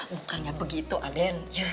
mukanya begitu aden